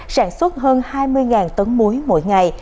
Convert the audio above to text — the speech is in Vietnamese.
sản xuất hơn hai mươi tấn muối mỗi ngày